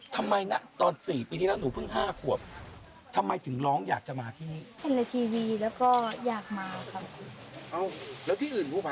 ทำไมถึงชอบพระยานาคลูก